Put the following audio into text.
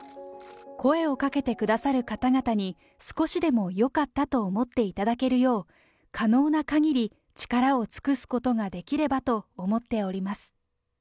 声をかけてくださる方々に、少しでもよかったと思っていただけるよう、可能なかぎり、力を尽くすことができればと思っております。